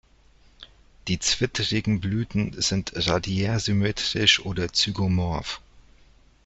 Die zwittrigen Blüten sind radiärsymmetrisch oder zygomorph.